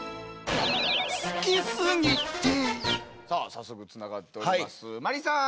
さあ早速つながっております